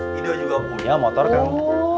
hidup juga punya motor kang